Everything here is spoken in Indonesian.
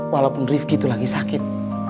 walaupun rifki itu lagi sakit